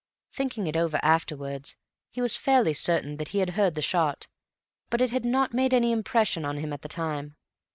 Thinking it over afterwards he was fairly certain that he had heard the shot, but it had not made any impression on him at the time.